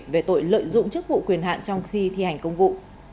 về tội lợi dụng chức vụ quyền hạn trong khi thi hành công vụ